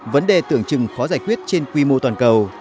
vấn đề tưởng chừng khó giải quyết trên quy mô toàn cầu